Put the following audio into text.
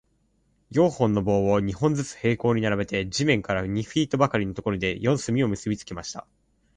四本の棒を、二本ずつ平行に並べて、地面から二フィートばかりのところで、四隅を結びつけました。